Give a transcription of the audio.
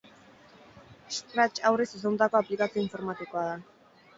Scratch haurrei zuzendutako aplikazio informatikoa da.